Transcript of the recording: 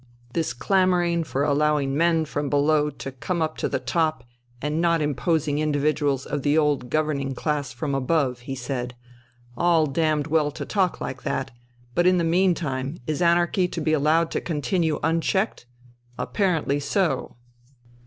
" This clamouring for allowing men from below to come up to the top and not imposing individuals of the old governing class from above," he said. " All damned well to talk like that, but in the meantime is anarchy to be allowed to continue unchecked ? Apparently so."